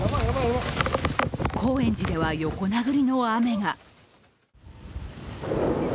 高円寺では横殴りの雨が。